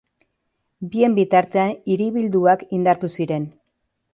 Bien bitartean hiribilduak indartu ziren.